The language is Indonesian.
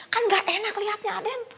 kan gak enak lihatnya aden